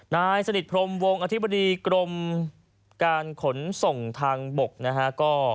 นายสนิทพรมวงอธิบดีกรมการขนส่งทางบกนะฮะ